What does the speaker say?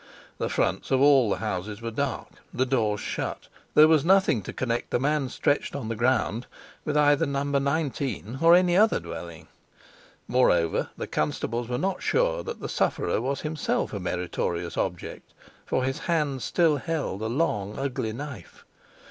The fronts of all the houses were dark, the doors shut; there was nothing to connect the man stretched on the ground with either No. 19 or any other dwelling. Moreover, the constables were not sure that the sufferer was himself a meritorious object, for his hand still held a long, ugly knife.